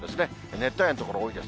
熱帯夜の所、多いです。